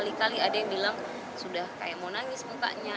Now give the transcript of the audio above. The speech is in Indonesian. kali kali ada yang bilang sudah kayak mau nangis mukanya